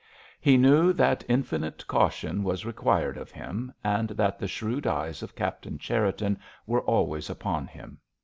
He knew that infinite caution was required of him, and that the shrewd eyes of Captain Cherriton were always upon him.